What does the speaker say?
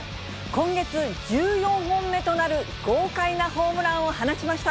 今月、１４本目となる豪快なホームランを放ちました。